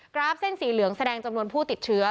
ราฟเส้นสีเหลืองแสดงจำนวนผู้ติดเชื้อ